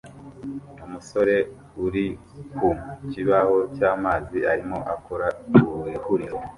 Umusore uri ku kibaho cyamazi arimo akora ihurizo